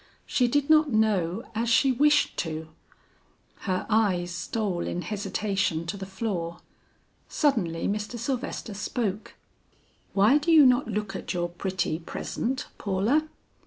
She did not know as she wished to. Her eyes stole in hesitation to the floor. Suddenly Mr. Sylvester spoke: "Why do you not look at your pretty present, Paula?"